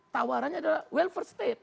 tawarannya adalah welfare state